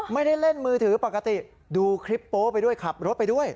ไม่ได้เล่นมือถือปกติดูคลิปโป๊ไปด้วยขับรถไปด้วย